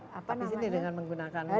tapis ini dengan menggunakan benang emas ya